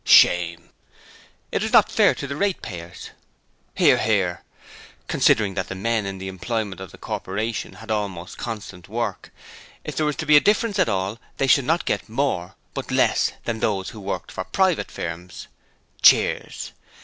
(Shame.) It was not fair to the ratepayers. (Hear, hear.) Considering that the men in the employment of the Corporation had almost constant work, if there was to be a difference at all, they should get not more, but less, than those who worked for private firms. (Cheers.)